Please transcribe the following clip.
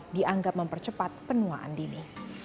dianggap mempercepat penuaan dini